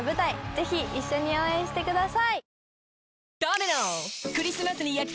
ぜひ一緒に応援してください。